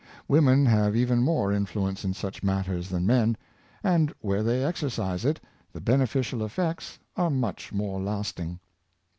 Women have even more influence in such matters than men; and where they exercise it, the beneficial eflfects are much more lasting.